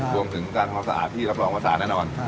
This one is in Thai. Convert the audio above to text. พรุ่งถึงการพอสะอาธิเที่ยวไปลองงานอย่างน้อยนะครับค่ะ